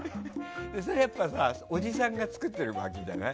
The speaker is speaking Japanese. それは、おじさんが作ってるわけじゃない。